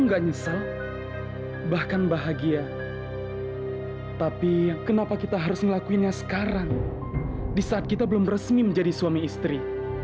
enggak nyesel bahkan bahagia tapi kenapa kita harus ngelakuinnya sekarang di saat kita belum resmi menjadi suami istri